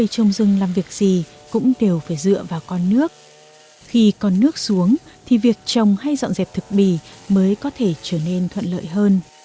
công việc trồng rừng hay dọn dẹp thực bì mới có thể trở nên thuận lợi hơn